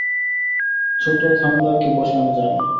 ছোট্ট থান্ডারকে বশে আনা যায় না।